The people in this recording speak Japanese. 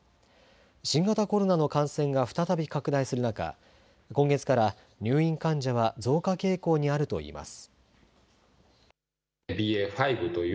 新型コロナの感染が再び拡大する中、今月から、入院患者は増加傾向にあるといいます。